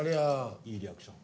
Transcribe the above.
いいリアクション。